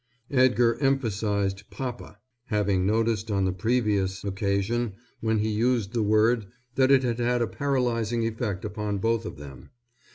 Edgar emphasized "Papa," having noticed on the previous occasion when he used the word that it had had a paralyzing effect upon both of them.